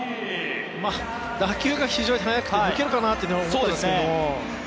打球が非常に速くて、抜けるかなと思ったんですけど。